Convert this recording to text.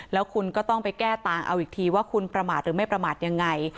แล้วคุณก็ต้องไปแก้ต่างเอาอีกทีว่าคุณประมาทหรือไม่ประมาทยังไง